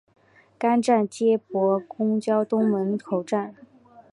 该站接驳公交东门口站。